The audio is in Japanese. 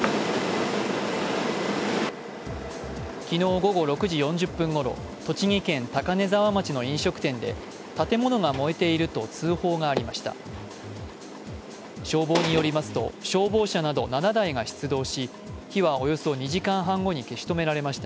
昨日午後６時４０分ごろ、栃木県高根沢町の飲食店で建物が燃えていると通報がありました。